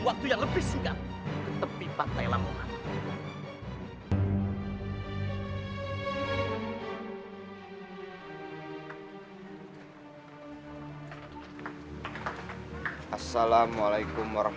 waktu yang lebih singkat ke tepi